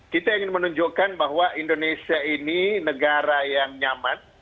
kita ingin menunjukkan bahwa indonesia ini negara yang nyaman